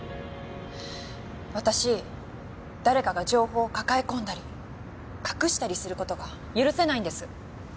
私誰かが情報を抱え込んだり隠したりする事が許せないんです。